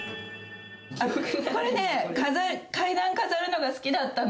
これね、階段数えるのが好きだったの。